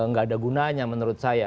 nggak ada gunanya menurut saya